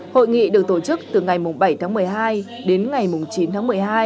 hội nghị được tổ chức từ ngày bảy tháng một mươi hai đến ngày chín tháng một mươi hai